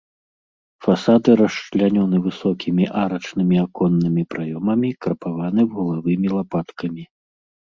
Фасады расчлянёны высокімі арачнымі аконнымі праёмамі, крапаваны вуглавымі лапаткамі.